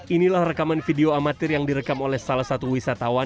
inilah rekaman video amatir yang direkam oleh salah satu wisatawan